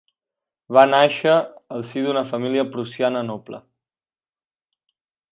Va nàixer al si d'una família prussiana noble.